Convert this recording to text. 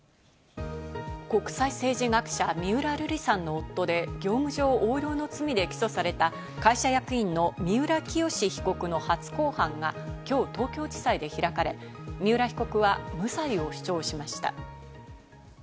国際政治学者・三浦瑠麗さんの夫で、業務上横領の罪で起訴された会社役員の三浦清志被告の初公判がきょう東京地裁で開かれ、三浦被告は無罪を主張しました。